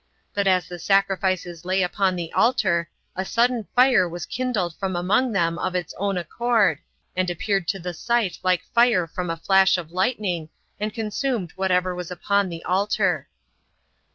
But as the sacrifices lay upon the altar, a sudden fire was kindled from among them of its own accord, and appeared to the sight like fire from a flash of lightning, and consumed whatsoever was upon the altar.